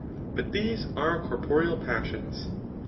But these are corporeal passions.